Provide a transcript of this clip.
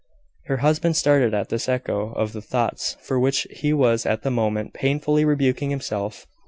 Her husband started at this echo of the thoughts for which he was at the moment painfully rebuking himself.